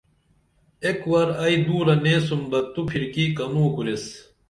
ایک ور ائی دُورہ نیسُم بہ تو پِھرکی کنوکُریس